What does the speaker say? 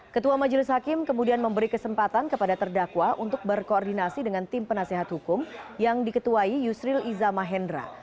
ketua majelis hakim kemudian memberi kesempatan kepada terdakwa untuk berkoordinasi dengan tim penasehat hukum yang diketuai yusril iza mahendra